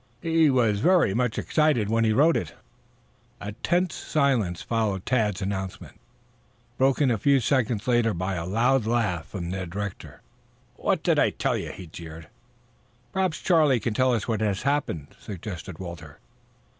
He was very much excited when he wrote it." A tense silence followed Tad's announcement, broken a few seconds later by a loud laugh from Ned Rector. "What did I tell you?" he jeered. "Perhaps Charlie can tell us what has happened," suggested Walter.